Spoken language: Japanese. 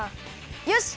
よし！